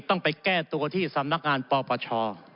ต้องไปแก้ตัวที่สำนักงานปปช